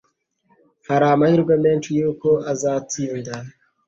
Hari amahirwe menshi yuko azatsinda.